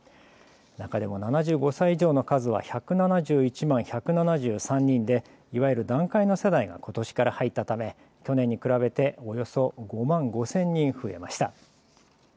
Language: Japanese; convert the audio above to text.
中でも７５歳以上の数は１７１万１７３人でいわゆる団塊の世代がことしから入ったため去年に比べておよそ５万５０００人増えました。